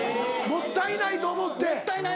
もったいないなと思って。